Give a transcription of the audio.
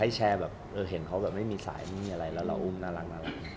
แชร์แบบเออเห็นเขาแบบไม่มีสายไม่มีอะไรแล้วเราอุ้มน่ารัก